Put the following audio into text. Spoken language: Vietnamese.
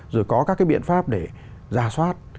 rồi có các cái biện pháp để ra soát